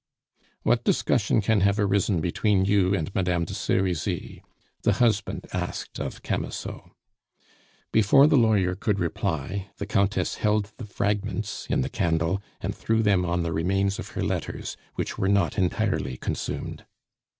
"What discussion can have arisen between you and Madame de Serizy?" the husband asked of Camusot. Before the lawyer could reply, the Countess held the fragments in the candle and threw them on the remains of her letters, which were not entirely consumed.